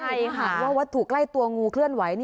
ใช่ค่ะว่าวัตถุใกล้ตัวงูเคลื่อนไหว